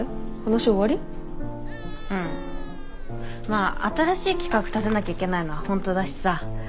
まあ新しい企画立てなきゃいけないのは本当だしさ